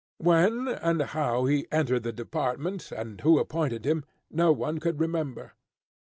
When and how he entered the department, and who appointed him, no one could remember.